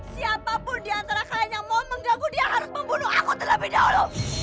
siapa pun diantara kalian yang mau mengganggu dia harus membunuh aku terlebih dahulu